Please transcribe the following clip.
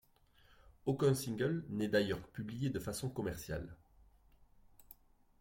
Aucun single n'est d'ailleurs publié de façon commerciale.